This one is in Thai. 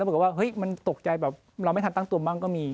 แล้วบอกว่าเฮ้ยมันตกใจแบบเราไม่ทำตั้งตัวบ้างก็มี